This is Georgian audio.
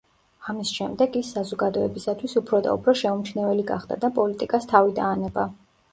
ამის შემდეგ ის საზოგადოებისათვის უფრო და უფრო შეუმჩნეველი გახდა და პოლიტიკას თავი დაანება.